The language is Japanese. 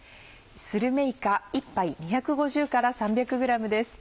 するめいか１ぱい２５０から３００ｇです。